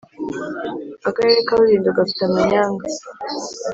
- akarere ka rulindo gafite amanyanga